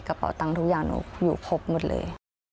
กระเป๋าตังค์ทุกอย่างหนูอยู่ครบหมดเลย